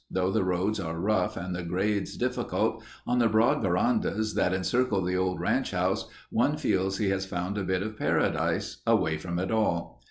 Though the roads are rough and the grades difficult, on the broad verandas that encircle the old ranch house, one feels he has found a bit of paradise "away from it all."